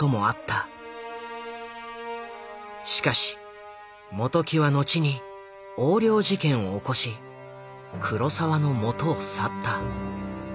しかし本木は後に横領事件を起こし黒澤のもとを去った。